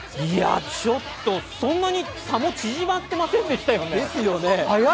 ちょっと、そんなに差が縮まってませんでしたよね。